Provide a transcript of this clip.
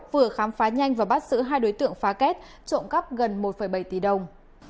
vừa khám phá nhanh và bắt giữ hai đối tượng phá kết trộm cắp gần một bảy tỷ đồng